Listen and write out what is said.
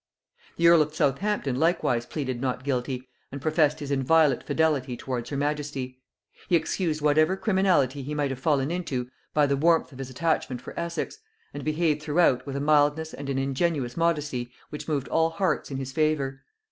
The earl of Southampton likewise pleaded Not guilty, and professed his inviolate fidelity towards her majesty: he excused whatever criminality he might have fallen into by the warmth of his attachment for Essex, and behaved throughout with a mildness and an ingenuous modesty which moved all hearts in his favor.